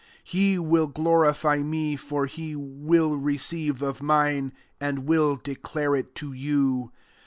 14 " He will glorify me : for he will receive of mine, and will declare it to you.